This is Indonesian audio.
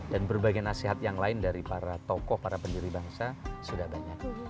dan berbagai nasihat yang lain dari para tokoh para penjuri bangsa sudah banyak